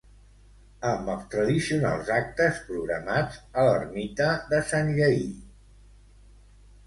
amb els tradicionals actes programats a l'ermita de Sant Lleïr